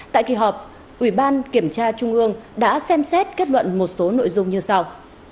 tại kỳ họp ủy ban kiểm tra trung ương đã xem xét kết luận một số nội dung như sau